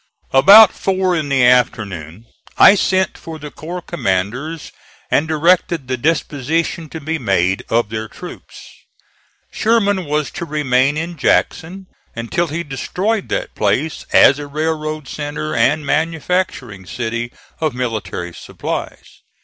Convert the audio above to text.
About four in the afternoon I sent for the corps commanders and directed the dispositions to be made of their troops. Sherman was to remain in Jackson until he destroyed that place as a railroad centre, and manufacturing city of military supplies.